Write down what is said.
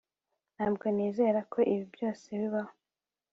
ntabwo nizera ko ibi byose bibaho